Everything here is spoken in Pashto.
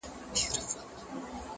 هره ورځ څو سطله اوبه اچوې _